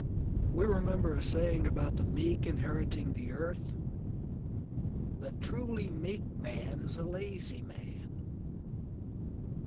We remember a saying about the meek inheriting the earth. The truly meek man is the lazy man.